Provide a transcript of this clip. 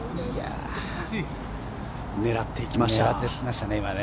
狙っていきましたね。